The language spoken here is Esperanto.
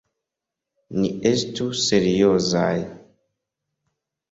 Ni estu seriozaj!